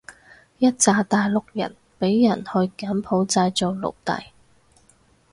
一柞大陸人畀人去柬埔寨做奴隸